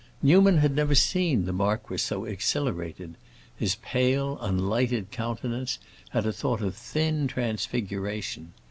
Newman had never seen the marquis so exhilarated; his pale, unlighted countenance had a sort of thin transfiguration.